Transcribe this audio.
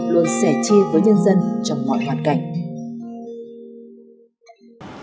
luôn sẻ chia với nhân dân trong mọi hoàn cảnh